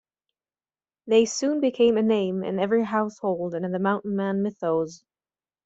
They soon became a name in every household and in the mountain man mythos.